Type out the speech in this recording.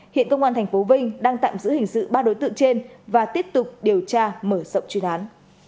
hiện công an tp vinh đang tạm giữ hình sự ba đối tượng trên và tiếp tục điều tra mở rộng chuyên án